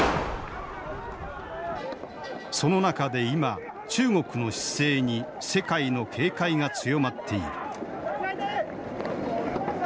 その中で今中国の姿勢に世界の警戒が強まっている。